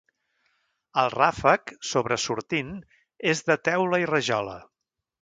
El ràfec, sobresortint, és de teula i rajola.